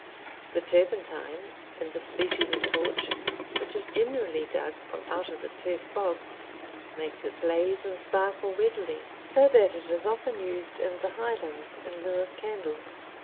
The turpentine in this species of torch (which is generally dug from out the turf bogs) makes it blaze and sparkle readily, so that it is often used in the Highlands in lieu of candles.